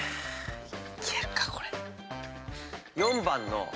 ４番の。